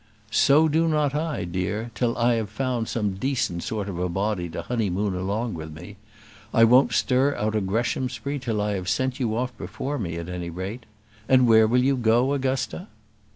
"So do not I, dear, till I have found some decent sort of a body to honeymoon along with me. I won't stir out of Greshamsbury till I have sent you off before me, at any rate. And where will you go, Augusta?"